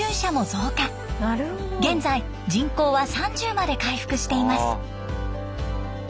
現在人口は３０まで回復しています。